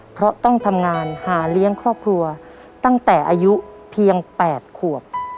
เพราะต้องทำงานหาเลี้ยงครอบครัวตั้งแต่อายุเพียง๘ขวบ